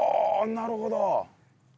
なるほど！